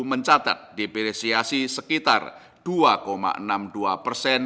mencatat dipresiasi sekitar dua dua dari dolar as